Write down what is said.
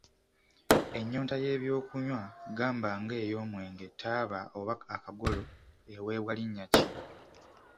Ennyonta y’ebyokunywa gamba nga ey’omwenge, taaba, oba akagolo, eweebwa linnya ki?